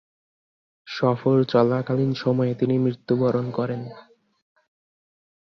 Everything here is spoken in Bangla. সফর চলাকালীন সময়ে তিনি মৃত্যুবরণ করেন।